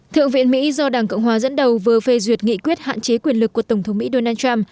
thượng viện mỹ do đảng cộng hòa dẫn đầu vừa phê duyệt nghị quyết hạn chế quyền lực của tổng thống mỹ donald trump